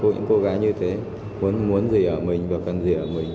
những cô gái như thế muốn gì ở mình và cần gì ở mình